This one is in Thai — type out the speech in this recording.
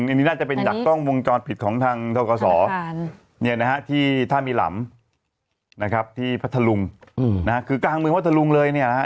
นี่น่าจะเป็นจักรกล้องมุงจรผิดของทางทศนี่นะครับที่ท่านมิหลัมนะครับที่พระทะลุงนะคือกลางมือพระทะลุงเลยเนี่ยนะครับ